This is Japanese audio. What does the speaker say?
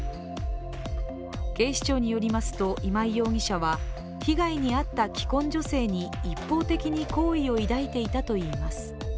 警視庁によりますと今井容疑者は被害に遭った既婚女性に一方的に好意を抱いていたといいます。